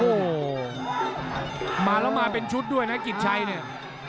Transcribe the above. โอ้โหมาแล้วมาเป็นชุดด้วยนะกิจชัยเนี่ย